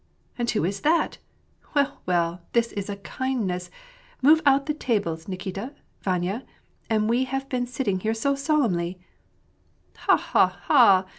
And who is that ? Well, well ! this is a kindness ! Move out the tables, Nikita, Vanya. And we have been sitting here so solemnly." "Ha! ha! ha!"